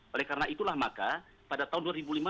oleh karena itulah maka pada tahun dua ribu lima belas